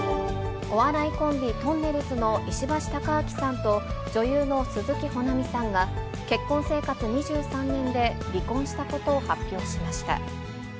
お笑いコンビ、とんねるずの石橋貴明さんと女優の鈴木保奈美さんが、結婚生活２３年で離婚したことを発表しました。